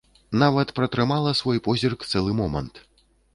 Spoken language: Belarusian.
Нават пратрымала свой позірк цэлы момант.